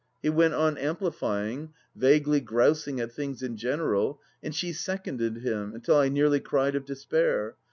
He went on amplifying, vaguely grousing at things in general, and she seconded him, until I nearly cried of despair.